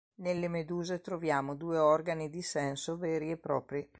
Nelle meduse troviamo due organi di senso veri e propri.